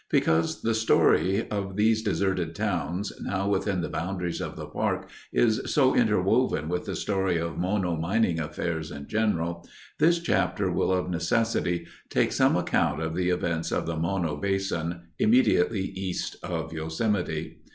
Because the story of these deserted towns, now within the boundaries of the park is so interwoven with the story of Mono mining affairs in general, this chapter will of necessity take some account of the events of the Mono Basin, immediately east of Yosemite.